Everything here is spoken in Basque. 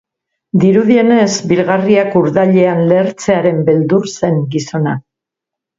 Dirudienez, bilgarriak urdailean lehertzearen beldur zen gizona.